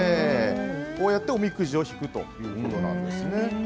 こうやって、おみくじを引くというものなんです。